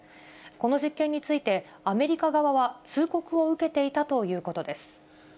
この実験について、アメリカ側は、通告を受けていたということです。